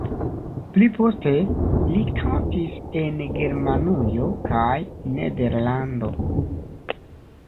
Pli poste li kantis en Germanujo kaj Nederlando.